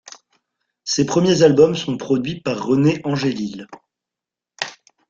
Ses premiers albums sont produits par René Angélil.